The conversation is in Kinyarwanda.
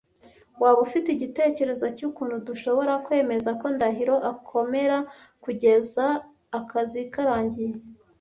Waba ufite igitekerezo cyukuntu dushobora kwemeza ko Ndahiro akomera kugeza akazi karangiye?